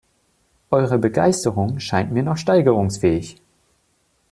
Eure Begeisterung scheint mir noch steigerungsfähig.